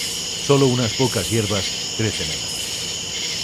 Solo unas pocas hierbas crecen en la isla.